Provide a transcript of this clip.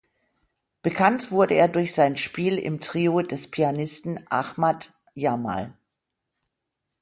Bekannt wurde er durch sein Spiel im Trio des Pianisten Ahmad Jamal.